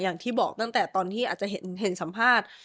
อย่างที่บอกตั้งแต่ตอนที่อาจจะเห็นสัมภาษณ์